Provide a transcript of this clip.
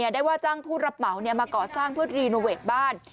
ได้ว่าจ้างผู้รับเหมามาก่อสร้างเพื่อรีโนเวทบ้าน